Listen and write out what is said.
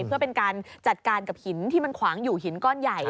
เพื่อเป็นการจัดการกับหินที่มันขวางอยู่หินก้อนใหญ่